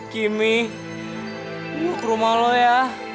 kimmy gue ke rumah lo ya